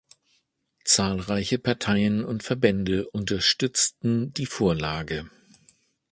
Zahlreiche Parteien und Verbände unterstützten die Vorlage.